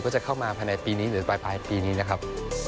จะเข้ามาภายในปีนี้หรือปลายปีนี้นะครับ